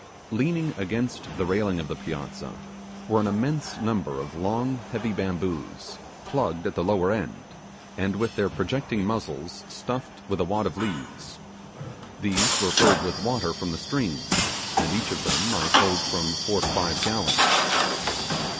Leaning against the railing on the piazza were an immense number of long, heavy bamboos, plugged at the lower end, and with their projecting muzzles stuffed with a wad of leaves. These were filled with water from the stream, and each of them might hold from four to five gallons.